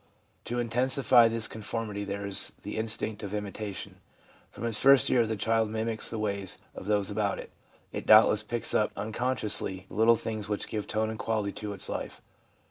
To intensify this conformity there is the instinct of imitation. From its first year the child mimics the ways of those about it. It doubtless picks up un consciously the little things which give tone and quality to its life.